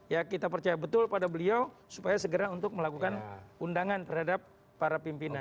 ya kita percaya betul pada beliau supaya segera untuk melakukan undangan terhadap para pimpinan